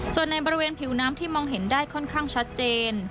ส่วนในบริเวณผิวน้ำที่มองเห็นได้ค่อนข้างชัดเจน